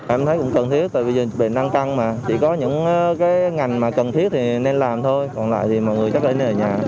em thấy cũng cần thiết tại vì dịch bệnh đang tăng mà chỉ có những cái ngành mà cần thiết thì nên làm thôi còn lại thì mọi người chắc là nên ở nhà